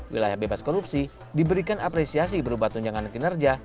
wilayah bebas korupsi diberikan apresiasi berupa tunjangan kinerja